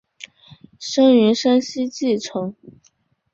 生于山西晋城。